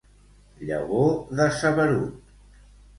Llavor de saberut.